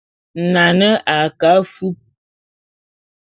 Nane a ke afúp.